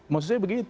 maksud saya begitu